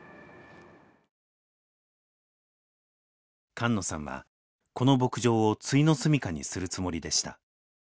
菅野さんはこの牧場を「ついの住みか」にするつもりでした。